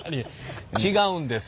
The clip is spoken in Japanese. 違うんです。